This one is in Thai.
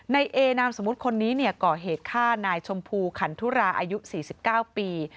ในเอนามสมมุติคนนี้ก่อเหตุฆ่านายชมพูขันทุราอายุ๔๙ปี